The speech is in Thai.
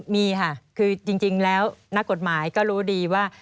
มีค่ะคือจริงแล้วนักกฎหมายก็รู้ดีว่า